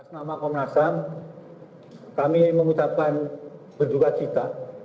nama komnas ham kami mengucapkan berduka cita